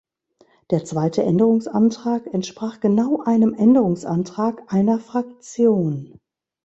Der zweite Änderungsantrag entsprach genau einem Änderungsantrag einer Fraktion.